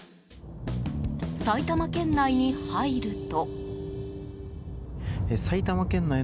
埼玉県内に入ると。